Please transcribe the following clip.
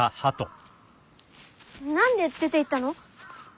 何で出ていったの？